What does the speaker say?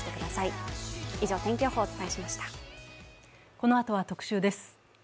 このあとは特集です。